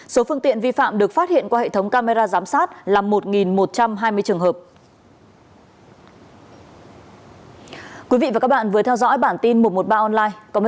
số phương tiện vi phạm được phát hiện qua hệ thống camera giám sát là một một trăm hai mươi trường hợp